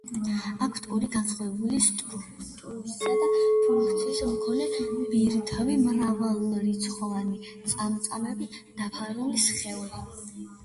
აქვთ ორი, განსხვავებული სტრუქტურისა და ფუნქციის მქონე ბირთვი, მრავალრიცხოვანი წამწამებით დაფარული სხეული.